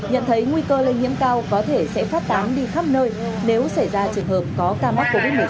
nhận thấy nguy cơ lây nhiễm cao có thể sẽ phát tán đi khắp nơi nếu xảy ra trường hợp có ca mắc covid một mươi chín